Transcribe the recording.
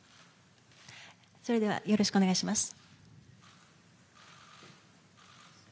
それではよろしくお願いします。